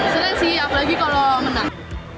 senang sih apalagi kalau menang